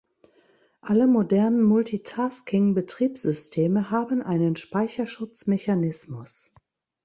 Alle modernen Multitasking-Betriebssysteme haben einen Speicherschutz-Mechanismus.